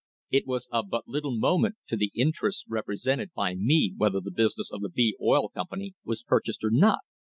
It was of but little moment to the interests represented by me whether the business of the B Oil Company was purchased or not.